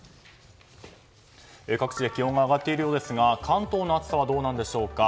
各地で気温が上がっているようですが関東の暑さはどうなんでしょうか。